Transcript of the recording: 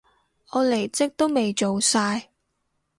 我離職都未做晒